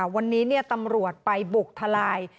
วันนี้เนี่ยตำรวจไปบุกทะลาย